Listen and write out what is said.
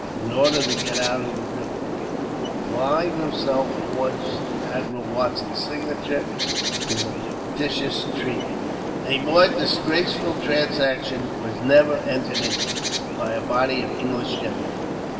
In order to get out of the difficulty, Clive himself forged Admiral Watson's signature to the fictitious treaty. A more disgraceful transaction was never entered into, by a body of English gentlemen.